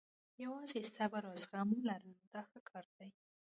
یوازې صبر او زغم ولره دا ښه کار دی.